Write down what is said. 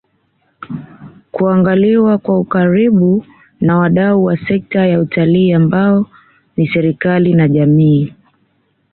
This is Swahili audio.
kuangaliwa kwa ukaribu na wadau wa sekta ya Utalii ambao ni serikali na jamii